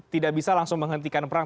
tidak bisa langsung menghentikan perang